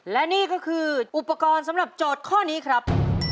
และนี่ก็คืออุปกรณ์สำหรับโจทย์ข้อนี้ครับ